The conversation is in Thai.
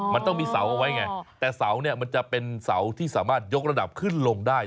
มันต้องมีเสาเอาไว้ไงแต่เสาเนี่ยมันจะเป็นเสาที่สามารถยกระดับขึ้นลงได้